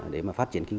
để phát triển kinh doanh